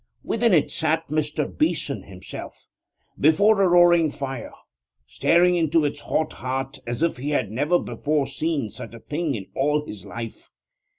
Within it sat Mr. Beeson himself, before a roaring fire, staring into its hot heart as if he had never before seen such a thing in all his life.